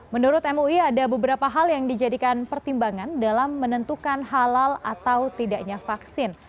menurut mui ada beberapa hal yang dijadikan pertimbangan dalam menentukan halal atau tidaknya vaksin